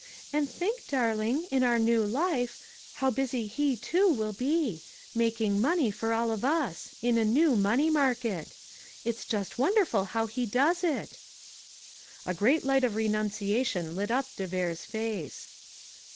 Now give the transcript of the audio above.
And think, darling, in our new life, how busy he, too, will be making money for all of us in a new money market. It's just wonderful how he does it." A great light of renunciation lit up de Vere's face.